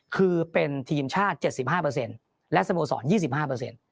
คือเป็นทีมชาติ๗๕และสโบสร๒๕